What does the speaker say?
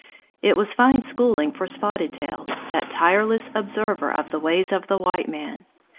It was fine schooling for Spotted Tail, that tireless observer of the ways of the white man!